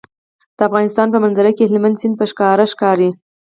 د افغانستان په منظره کې هلمند سیند په ښکاره ښکاري.